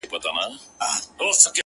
o دا چا ويل چي له هيواده سره شپې نه كوم،